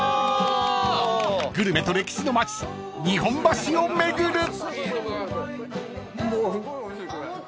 ［グルメと歴史の街日本橋を巡る］